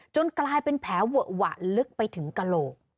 จนกลายเป็นแผลหวะลึกไปถึงกะโลก